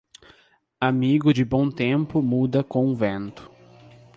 Amigo de bom tempo muda com o vento.